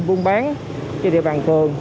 buôn bán trên địa bàn phường